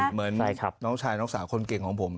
เหมือนน้องชายน้องสาวคนเก่งของผม